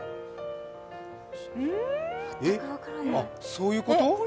そういうこと？